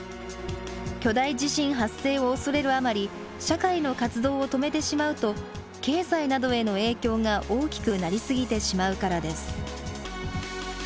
巨大地震発生を恐れるあまり社会の活動を止めてしまうと経済などへの影響が大きくなりすぎてしまうからです。